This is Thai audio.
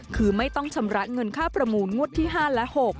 คือไม่ต้องชำระเงินค่าประมูลงวดที่๕และ๖